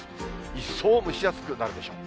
一層蒸し暑くなるでしょう。